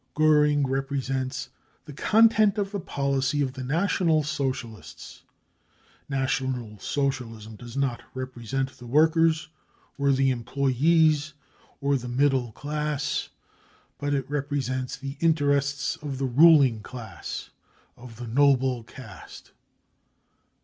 Goering represents the content of the policy of the National Socialists. National Socialism does not represent the workers or the employees or the middle class, but it represents the interests of the ruling class, of the noble caste.